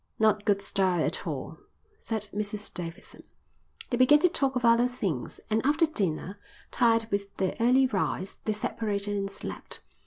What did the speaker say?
"Not good style at all," said Mrs Davidson. They began to talk of other things, and after dinner, tired with their early rise, they separated and slept.